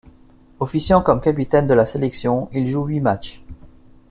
Officiant comme capitaine de la sélection, il joue huit matchs.